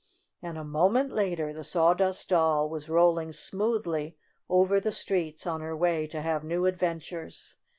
And, a moment later, the Sawdust Doll was rolling smoothly over the streets on her way to have new adventures.